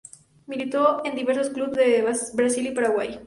Militó en diversos clubes de Brasil y Paraguay.